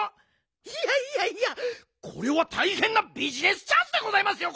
いやいやいやこれはたいへんなビジネスチャンスでございますよ